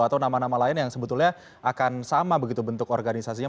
atau nama nama lain yang sebetulnya akan sama begitu bentuk organisasinya